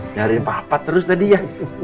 nyari papa terus tadi ya